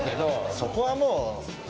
そこはもう。